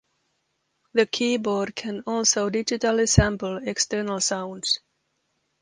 The keyboard can also digitally sample external sounds.